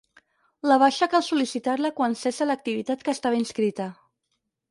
La baixa cal sol·licitar-la quan cessa l'activitat que estava inscrita.